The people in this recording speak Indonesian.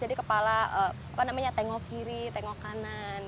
jadi kepala apa namanya tengok kiri tengok kanan